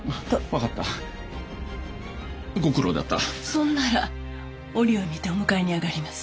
そんなら折を見てお迎えに上がります。